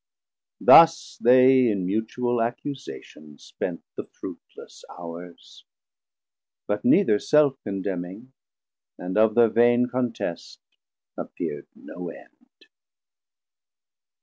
Thus they in mutual accusation spent The fruitless hours, but neither self condemning And of thir vain contest appeer'd no end.